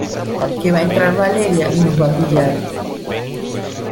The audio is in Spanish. que va a entrar Valeria y nos va a pillar.